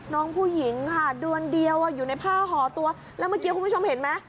น้องผู้หญิงค่ะเดือนเดียวอยู่ในผ้าห่อตัวแล้วเมื่อกี้คุณผู้ชมเห็นไหม